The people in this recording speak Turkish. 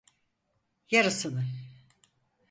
Yarısını.